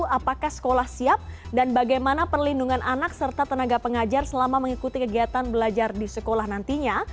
apakah sekolah siap dan bagaimana perlindungan anak serta tenaga pengajar selama mengikuti kegiatan belajar di sekolah nantinya